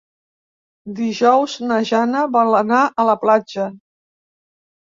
Dijous na Jana vol anar a la platja.